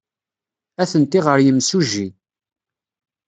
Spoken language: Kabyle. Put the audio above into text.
Atenti ɣer yimsujji.